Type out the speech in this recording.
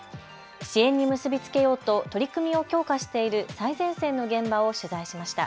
支援に結び付けようと取り組みを強化している最前線の現場を取材しました。